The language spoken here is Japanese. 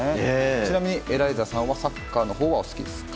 ちなみに、エライザさんはサッカーのほうはお好きですか？